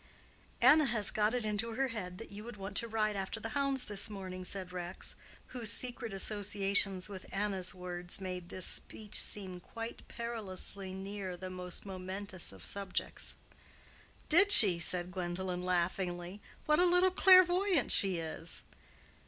"Anna had got it into her head that you would want to ride after the hounds this morning," said Rex, whose secret associations with Anna's words made this speech seem quite perilously near the most momentous of subjects. "Did she?" said Gwendolen, laughingly. "What a little clairvoyant she is!"